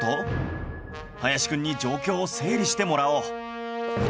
林くんに状況を整理してもらおう